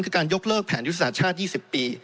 คือการยกเลิกแผนยุทธศาสตร์ชาติ๒๐ปี